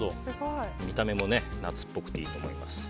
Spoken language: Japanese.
見た目も夏っぽくていいと思います。